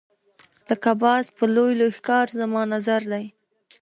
لکه باز په لوی لوی ښکار زما نظر دی.